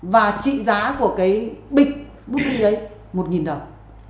và trị giá của cái bịch bút đi đấy một đồng